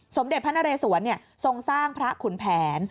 สมเด็จพระนเรสวนทรงสร้างพระขุนแผน